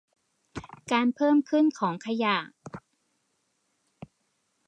การเพิ่มขึ้นของขยะ